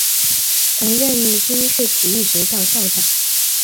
曾任军事体育学校校长。